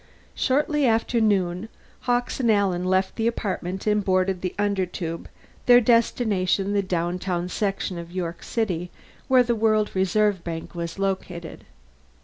Shortly after noon, Hawkes and Alan left the apartment and boarded the Undertube, their destination the downtown section of York City where the World Reserve Bank was located.